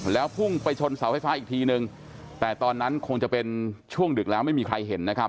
แล้วพุ่งไปชนเสาไฟฟ้าอีกทีนึงแต่ตอนนั้นคงจะเป็นช่วงดึกแล้วไม่มีใครเห็นนะครับ